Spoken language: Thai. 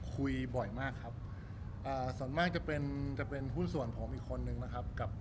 คุยบ่อยมากครับส่วนมากจะเป็นจะเป็นหุ้นส่วนผมอีกคนนึงนะครับกับ